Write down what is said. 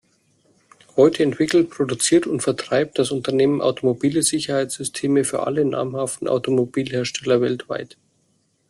Heute entwickelt, produziert und vertreibt das Unternehmen automobile Sicherheitssysteme für alle namhaften Automobilhersteller weltweit.